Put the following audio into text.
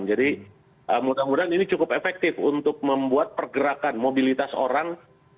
jadi mudah mudahan ini cukup efektif untuk membuat pergerakan mobilitas orang